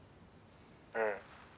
うん。